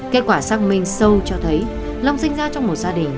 kết quả xác minh sâu cho thấy long sinh ra trong một gia đình